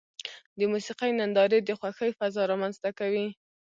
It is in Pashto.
د موسیقۍ نندارې د خوښۍ فضا رامنځته کوي.